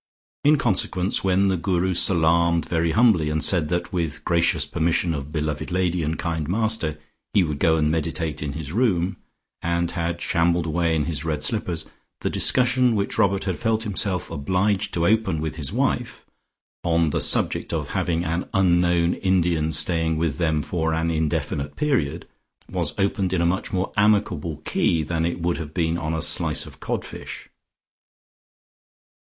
In consequence when the Guru salaamed very humbly, and said that with gracious permission of beloved lady and kind master he would go and meditate in his room, and had shambled away in his red slippers, the discussion which Robert had felt himself obliged to open with his wife, on the subject of having an unknown Indian staying with them for an indefinite period, was opened in a much more amicable key than it would have been on a slice of codfish.